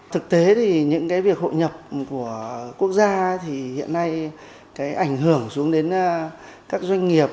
thực tế thì những cái việc hội nhập của quốc gia thì hiện nay cái ảnh hưởng xuống đến các doanh nghiệp